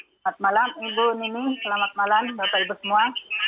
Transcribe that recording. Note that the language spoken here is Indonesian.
selamat malam ibu nining selamat malam bapak ibu semua